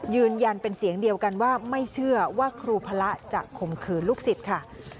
ยืนยันเป็นเสียงเดียวกันว่าไม่เชื่อว่าครูพระจะข่มขืนลูกศิษย์ค่ะ